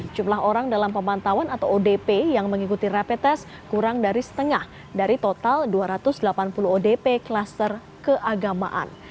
jumlah orang dalam pemantauan atau odp yang mengikuti rapid test kurang dari setengah dari total dua ratus delapan puluh odp kluster keagamaan